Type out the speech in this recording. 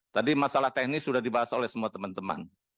tadi masalah teknis sudah dibahas oleh semua teman teman